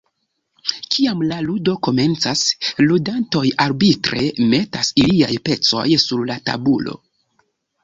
Kiam la ludo komencas, ludantoj arbitre metas iliaj pecoj sur la tabulo.